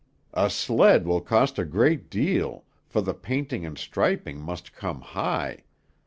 "A sled will cost a great deal, for the painting and striping must come high.